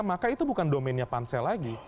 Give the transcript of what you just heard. maka itu bukan domennya pansel lagi